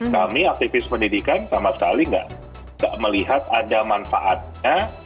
kami aktivis pendidikan sama sekali tidak melihat ada manfaatnya